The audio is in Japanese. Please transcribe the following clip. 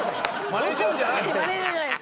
マネジャーじゃないです。